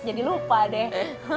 jadi lupa deh